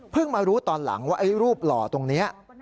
เพิ่งมารู้ตอนหลังว่ารูปหล่อตรงนี้